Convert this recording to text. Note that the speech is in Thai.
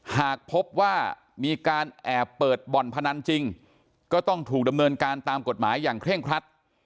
หากพบว่ามีการแอบเปิดบ่อนพนันจริงก็ต้องถูกดำเนินการตามกฎหมายอย่างเคร่งครัด